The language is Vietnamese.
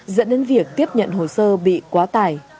dẫn đến việc tiếp nhận hồ sơ bị quá tải